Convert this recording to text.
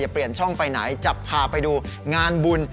เปลี่ยนช่องไปไหนจะพาไปดูงานบุญ